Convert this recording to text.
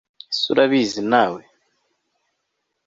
ese urabizi nawe